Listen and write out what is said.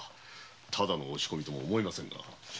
ただの押し込みとは思えませぬな。